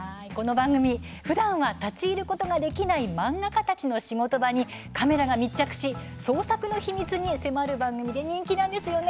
ふだんは立ち入ることができない漫画家たちの仕事場にカメラが密着し創作の秘密に迫る番組です。